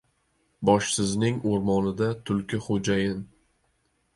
• Boshsizning o‘rmonida tulki xo‘jayin.